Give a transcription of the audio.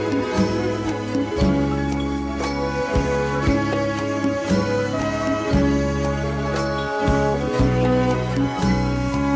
มองหยอดเขาวังหยอดเขาสูงขอตรง